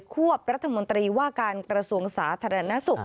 วบรัฐมนตรีว่าการกระทรวงสาธารณสุข